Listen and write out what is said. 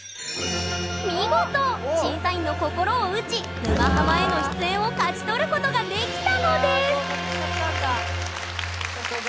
見事審査員の心を打ち「沼ハマ」への出演を勝ち取ることができたのです！ということで。